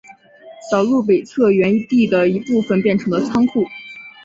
小路北侧原义地的一部分变成了仓库。